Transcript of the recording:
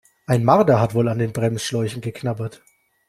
Ein Marder hat wohl an den Bremsschläuchen geknabbert.